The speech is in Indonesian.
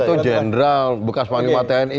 itu general bukan panglima tni